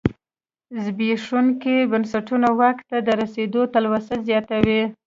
زبېښونکي بنسټونه واک ته د رسېدو تلوسه زیاتوي.